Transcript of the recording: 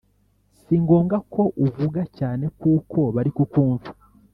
Singombwa ko uvuga cyane kuko bari kukumva